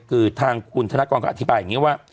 คือทางคุณธนกรก็อธิบายอย่างนี้ว่า